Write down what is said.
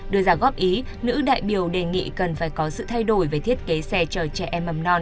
đưa ra góp ý nữ đại biểu đề nghị cần phải có sự thay đổi về thiết kế xe cho trẻ em mầm non